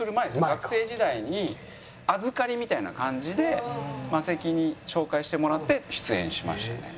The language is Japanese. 学生時代に預かりみたいな感じでマセキに紹介してもらって出演しましたね。